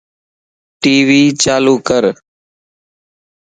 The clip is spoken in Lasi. ٽي وي چالو ڪر